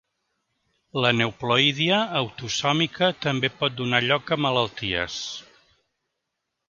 L'aneuploïdia autosòmica també pot donar lloc a malalties.